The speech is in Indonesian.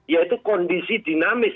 yaitu kondisi dinamis